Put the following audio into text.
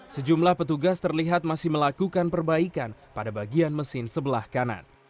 sejumlah petugas terlihat masih melakukan perbaikan pada bagian mesin sebelah kanan